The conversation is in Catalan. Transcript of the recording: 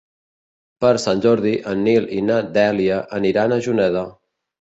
Per Sant Jordi en Nil i na Dèlia aniran a Juneda.